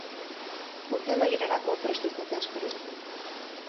Urte amaierarako prest izatea espero dute.